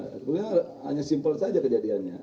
sebetulnya hanya simpel saja kejadiannya